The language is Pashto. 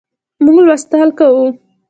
موږ لوستل کوو